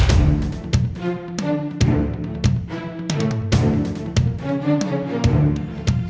tidak ada yang bisa dihapuskan di dalam penjara